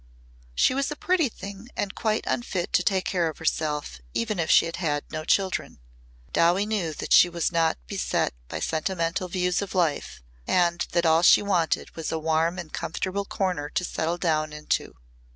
She was a pretty thing and quite unfit to take care of herself even if she had had no children. Dowie knew that she was not beset by sentimental views of life and that all she wanted was a warm and comfortable corner to settle down into.